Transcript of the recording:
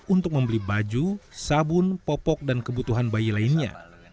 untuk membeli baju sabun popok dan kebutuhan bayi lainnya